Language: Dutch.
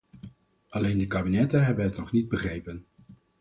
Alleen de kabinetten hebben het nog niet begrepen.